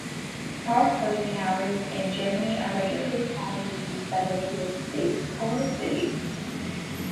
Bar closing hours in Germany are regulated by the federated states or cities.